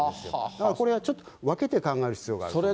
だからこれはちょっと分けで考える必要があると思います。